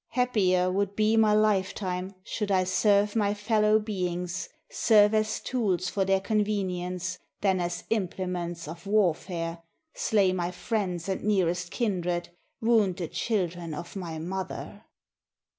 Happier would be my lifetime, Should I serve my fellow beings, Serve as tools for their convenience. Than as implements of warfare. Slay my friends and nearest kindred. Wound the children of my mother."